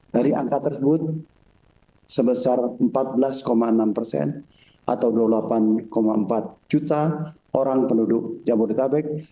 dari angka tersebut sebesar empat belas enam persen atau dua puluh delapan empat juta orang penduduk jabodetabek